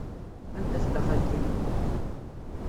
Anda tella xalti-m?